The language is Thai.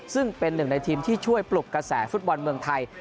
ซึ่งเป็นหนึ่งในทีมที่ช่วยปลุกกระแสฟุตบอลเมืองไทย